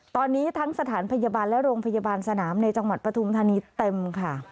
ตอนนี้ทั้งสถานพยาบาลและโรงพยาบาลสนามในจังหวัดปฐุมธานีเต็มค่ะ